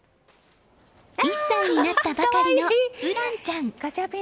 １歳になったばかりの海蘭ちゃん。